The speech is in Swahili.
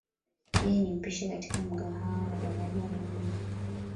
Yeye ni mpishi katika mgahawa wa daraja la nne.